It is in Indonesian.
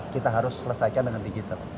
kita harus selesaikan dengan digital